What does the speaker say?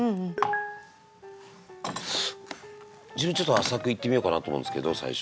自分浅くいってみようかなと思うんですけど最初。